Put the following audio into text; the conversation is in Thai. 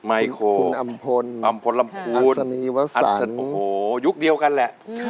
อัมพลอัสนีวะสรรโฮโหยุคเดียวกันละ